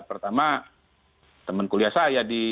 pertama teman kuliah saya di